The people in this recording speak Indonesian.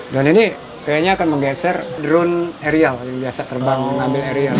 dan ini kayaknya akan menggeser drone aerial yang biasa terbang ngambil aerial